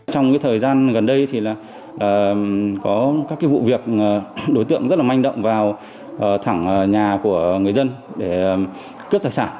trong thời gian gần đây có các vụ việc đối tượng rất là manh động vào thẳng nhà của người dân để cướp thạch sản